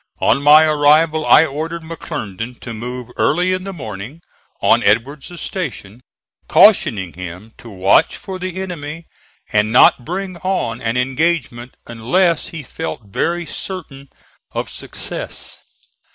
On my arrival I ordered McClernand to move early in the morning on Edward's station, cautioning him to watch for the enemy and not bring on an engagement unless he felt very certain of success.